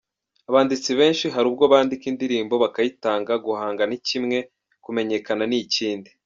Abanditsi benshi hari ubwo bandika indirimbo bakayitanga, guhanga ni kimwe, kumenyekana ni ikindi.